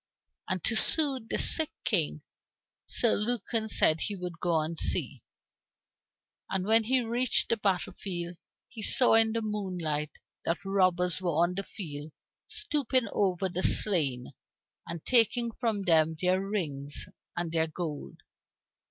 And to soothe the sick King, Sir Lucan said he would go to see. And when he reached the battle field, he saw in the moonlight that robbers were on the field stooping over the slain, and taking from them their rings and their gold.